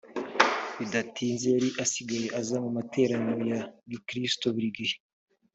bidatinze yari asigaye aza mu materaniro ya gikristo buri gihe